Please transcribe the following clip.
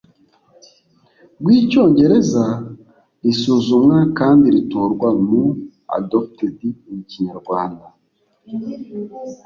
rw Icyongereza risuzumwa kandi ritorwa mu adopted in Kinyarwanda